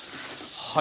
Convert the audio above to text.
はい。